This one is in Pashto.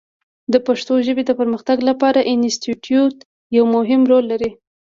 د پښتو ژبې د پرمختګ لپاره انسټیټوت یو مهم رول لري.